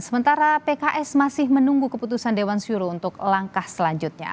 sementara pks masih menunggu keputusan dewan suruh untuk langkah selanjutnya